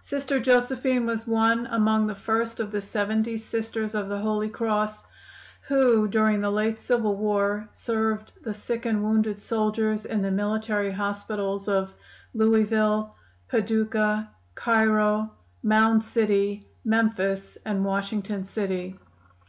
"Sister Josephine was one among the first of the seventy Sisters of the Holy Cross who, during the late civil war, served the sick and wounded soldiers in the military hospitals of Louisville, Paducah, Cairo, Mound City, Memphis and Washington city.